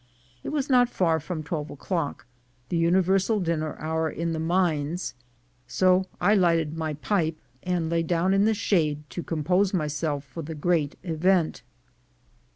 It was not far from twelve o'clock, the universal dinner hour in the mines; so I lighted my pipe, and lay down in the shade to compose myself for the great event.